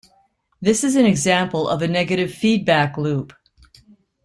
This is an example of a negative feedback loop.